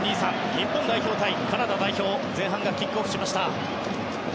日本代表対カナダ代表前半がキックオフしました。